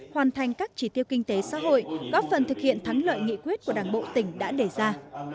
hoàn thành các chỉ tiêu kinh tế xã hội góp phần thực hiện thắng lợi nghị quyết của đảng bộ tỉnh đã đề ra